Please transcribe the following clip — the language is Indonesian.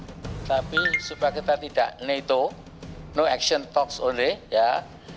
amin bersama tim mengatakan akan bertemu presiden jokowi menyampaikan data soal proyek reklamasi